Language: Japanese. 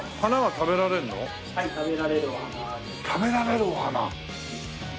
食べられるお花。